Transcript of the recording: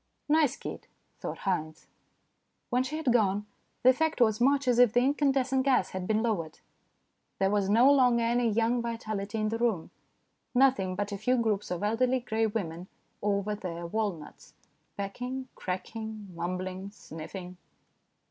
" Nice kid," thought Haynes. When she had gone, the effect was much as if the incandescent gas had been lowered. There was no longer any young vitality in the room, nothing but a few groups of elderly grey women TOO SOON AND TOO LATE 185 over their walnuts pecking, cracking, mumbling sniffing.